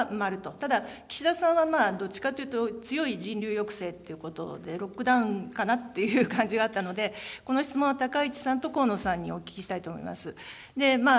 ただ、岸田さんは、どっちかというと、強い人流抑制ということでロックダウンかなっていう感じがあったので、この質問は高市さんと河野さんにお聞きしたいと思います。